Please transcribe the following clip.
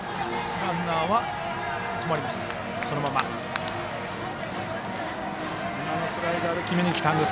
ランナーは止まります。